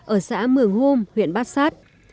ở xã mường hôm huyện bát sát